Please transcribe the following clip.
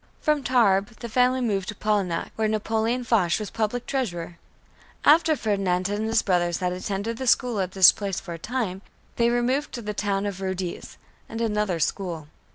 From Tarbes, the family moved to Polignac, where Napoleon Foch was Public Treasurer. After Ferdinand and his brothers had attended the school at this place for a time, they removed to the town of Rodez and another school.